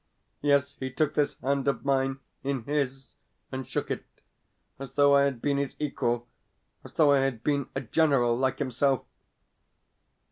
Yes, he took this hand of mine in his, and shook it, as though I had been his equal, as though I had been a general like himself!